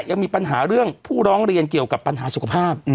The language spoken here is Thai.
ยังมีปัญหาเรื่องผู้ร้องเรียนเกี่ยวกับปัญหาสุขภาพ